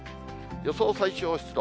予想最小湿度。